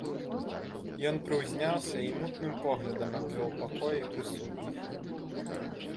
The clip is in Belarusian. Ён прыўзняўся і мутным поглядам абвёў пакой і прысутных.